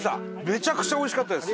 めちゃくちゃおいしかったです。